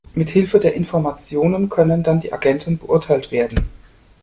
Mit Hilfe der Informationen können dann die Agenten beurteilt werden.